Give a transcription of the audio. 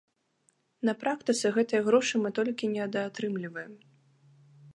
На практыцы гэтыя грошы мы толькі недаатрымліваем.